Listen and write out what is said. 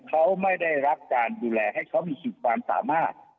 เขาไม่ได้รับการดูแลให้เขามีสุดความสามารถ